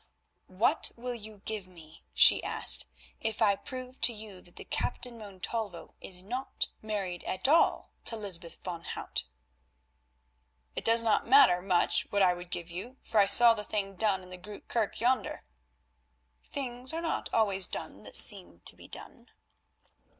"What will you give me," she asked, "if I prove to you that the Captain Montalvo is not married at all to Lysbeth van Hout?" "It does not much matter what I would give you, for I saw the thing done in the Groote Kerk yonder." "Things are not always done that seem to be done."